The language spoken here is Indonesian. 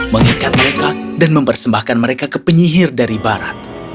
mengikat mereka dan mempersembahkan mereka ke penyihir dari barat